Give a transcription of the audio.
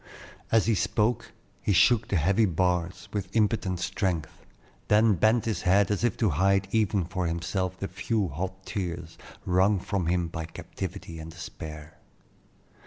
As he spoke, he shook the heavy bars with impotent strength, then bent his head as if to hide even from himself the few hot tears wrung from him by captivity and despair.